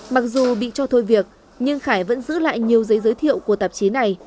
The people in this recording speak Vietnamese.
mặc dù bị cho thôi việc nhưng khải vẫn giữ lại nhiều giấy giới thiệu của tạp chí này